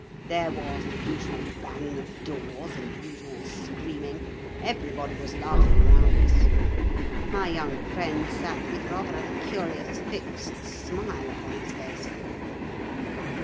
There was the usual banging of doors and the usual screaming. Everybody was laughing around us. My young friend sat with rather a curious fixed smile upon his face.